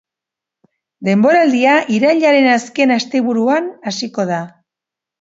Denboraldia irailaren azken asteburuan hasiko da.